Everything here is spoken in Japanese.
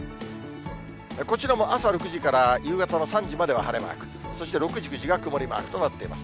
こちらも朝６時から夕方の３時までは晴れマーク、そして６時、９時が曇りマークとなっています。